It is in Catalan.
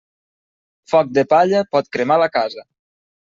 Foc de palla pot cremar la casa.